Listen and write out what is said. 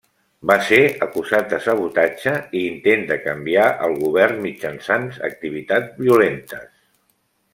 Va ser acusat de sabotatge i intent de canviar el govern mitjançant activitats violentes.